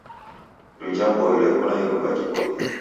Rija mboi reko na irumba jiboie.